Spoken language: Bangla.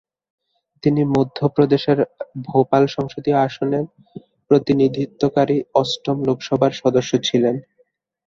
তিনি মধ্য প্রদেশের ভোপাল সংসদীয় আসনের প্রতিনিধিত্বকারী অষ্টম লোকসভার সদস্য ছিলেন।